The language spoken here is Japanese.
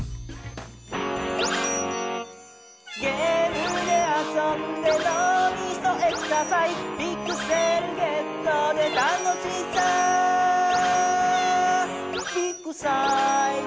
「ゲームであそんでのうみそエクササイズ」「ピクセルゲットで楽しさビッグサイズ」